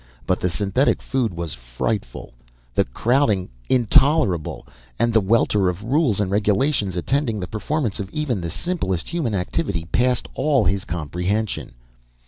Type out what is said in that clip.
But the synthetic food was frightful, the crowding intolerable, and the welter of rules and regulations attending the performance of even the simplest human activity past all his comprehension.